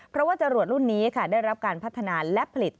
เพราะว่าจรวดรุ่นนี้ค่ะได้รับการพัฒนาและผลิต